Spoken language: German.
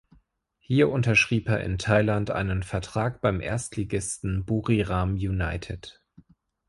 Hier unterschrieb er in Thailand einen Vertrag beim Erstligisten Buriram United.